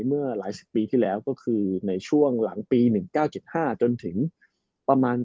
เมื่อหลายสิบปีที่แล้วก็คือในช่วงหลังปีหนึ่งเก้าเจ็ดห้าจนถึงประมาณ